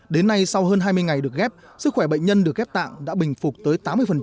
đến nay sau hơn hai mươi ngày được ghép sức khỏe bệnh nhân được ghép tạng đã bình phục tới tám mươi